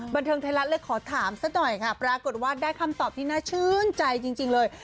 บันเทิงไทยรัฐเลยขอถามสักหน่อยค่ะปรากฏว่าได้คำตอบที่น่าชื่นใจจริงเลย